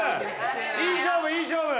いい勝負いい勝負！